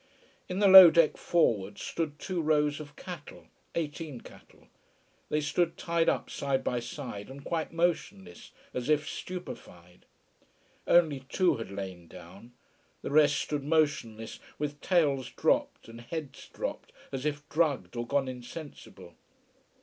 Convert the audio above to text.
In the low deck forward stood two rows of cattle eighteen cattle. They stood tied up side by side, and quite motionless, as if stupefied. Only two had lain down. The rest stood motionless, with tails dropped and heads dropped, as if drugged or gone insensible.